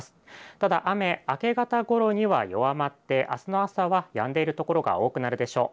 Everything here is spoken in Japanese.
ただ雨、明け方ごろには弱まってあすの朝は、やんでいる所が多くなるでしょう。